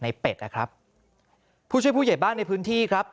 เป็ดนะครับผู้ช่วยผู้ใหญ่บ้านในพื้นที่ครับ